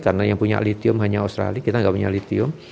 karena yang punya lithium hanya australia kita nggak punya lithium